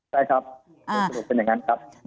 ใช่ครับเป็นอย่างนั้นครับ